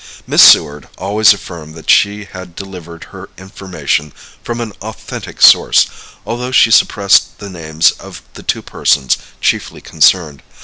Miss Seward always affirmed that she had derived her information from an authentic source, although she suppressed the names of the two persons chiefly concerned.